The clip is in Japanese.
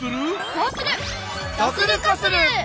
こうする！